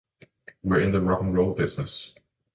We're in the rock and roll business.